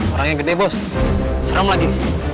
orang yang gede bos seram lagi